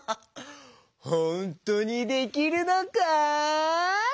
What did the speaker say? ほんとにできるのか？